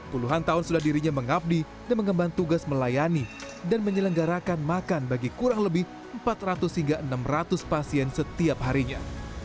puluhan tahun sudah dirinya mengabdi dan mengembang tugas melayani dan menyelenggarakan makan bagi kurang lebih empat ratus hingga enam ratus pasien setiap harinya